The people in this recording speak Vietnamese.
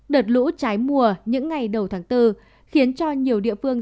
đợt lũ trái mùa những ngày đầu tháng bốn khiến cho nhiều địa phương